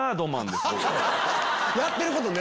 やってることね。